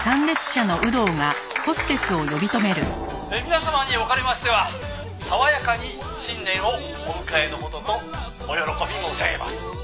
「皆様におかれましては爽やかに新年をお迎えの事とお喜び申し上げます」